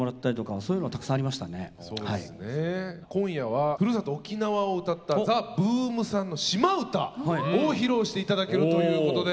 今夜はふるさと沖縄を歌ったＴＨＥＢＯＯＭさんの「島唄」を披露して頂けるということで。